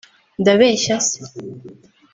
ndabeshya se